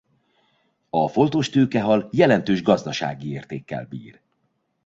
A foltos tőkehal jelentős gazdasági értékkel bír.